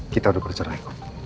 kita udah bercerai